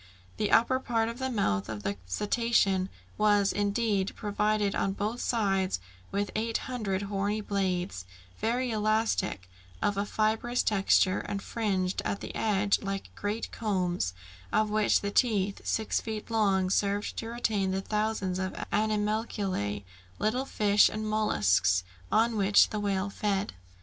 The upper part of the mouth of the cetacean was, indeed, provided on both sides with eight hundred horny blades, very elastic, of a fibrous texture, and fringed at the edge like great combs, of which the teeth, six feet long, served to retain the thousands of animalculæ, little fish, and molluscs, on which the whale fed.